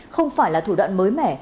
không phải là thủ đoạn mới mẻ